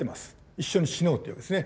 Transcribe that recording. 一緒に死のうというわけですね。